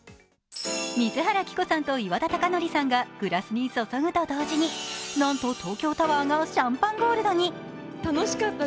水原希子さんと岩田剛典さんがグラスに注ぐと同時になんと東京タワーがシャンパンゴールドに。